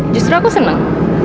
justru aku seneng